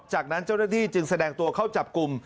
จากนั้นเจ้าหน้าที่จึงแสดงตัวเข้าจับกลุ่ม